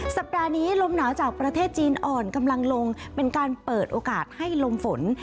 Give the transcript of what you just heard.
สัปดาห์นี้ลมหนาวจากประเทศจีนอ่อนกำลังลงเป็นการเปิดโอกาสให้ลมฝน